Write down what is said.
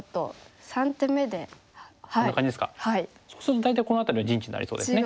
そうすると大体この辺りは陣地になりそうですね。